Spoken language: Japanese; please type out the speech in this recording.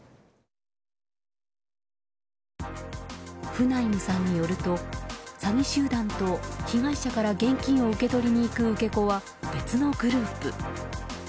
フナイムさんによると詐欺集団と被害者から現金を受け取りに行く受け子は別のグループ。